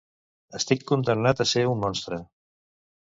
Estic condemnat a ser un monstre.